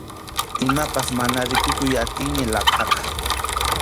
Imapas mana rikukuy atiymi laqhaqa.